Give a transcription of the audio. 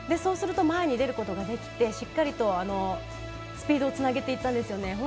すると前に出ることができてしっかりスピードにつなげていったんですね。